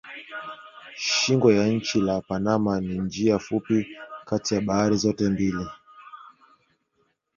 Shingo ya nchi la Panama ni njia fupi kati ya bahari zote mbili.